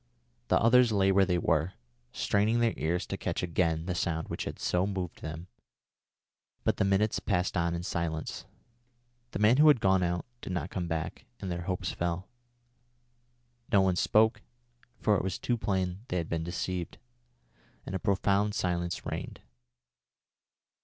The others lay where they were, straining their ears to catch again the sound which had so moved them, but the minutes passed on in silence. The man who had gone out did not come back, and their hopes fell. No one spoke, for it was too plain they had been deceived, and a profound silence reigned.